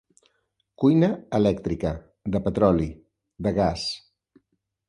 Cuina elèctrica, de petroli, de gas.